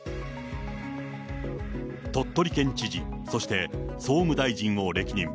鳥取県知事、そして総務大臣を歴任。